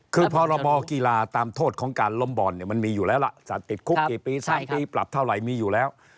คือพรบกีฬาตามโทษของการล้มบ่อนเนี่ยมันมีอยู่แล้วล่ะติดคุกกี่ปี๓ปีปรับเท่าไหร่มีอยู่แล้ว